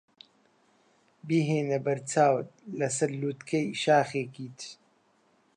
بهێنە بەرچاوت کە لەسەر لووتکەی شاخێکیت.